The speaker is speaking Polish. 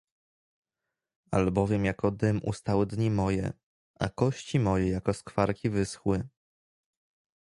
Albowiem jako dym ustały dni moje, — a kości moje jako skwarki wyschły.